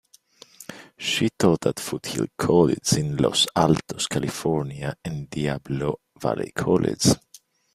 She taught at Foothill College in Los Altos, California and Diablo Valley College.